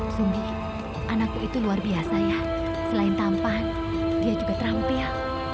sunggih anakku itu luar biasa ya selain tampan dia juga terampil